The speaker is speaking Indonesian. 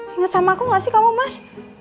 ingat sama aku gak sih kamu mas